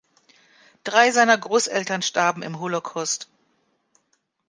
Drei seiner Grosseltern starben im Holocaust.